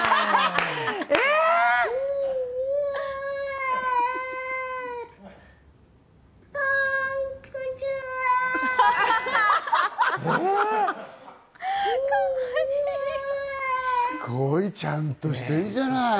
すごい、ちゃんとしてるじゃない。